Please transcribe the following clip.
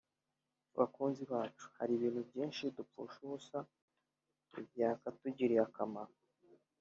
Bakunzi bacu hari ibintu byinshi dupfusha ubusa byakatugiriye akamaro